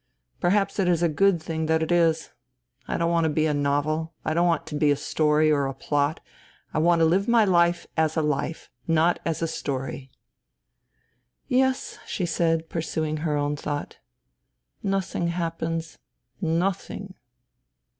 Perhaps it is a good thing that it is. I don't want to be a novel. I don't want to be a story or a plot. I want to live my life as a life, not as a story." " Yes," she said, pursuing her own thought. " Nothing happens. Nothing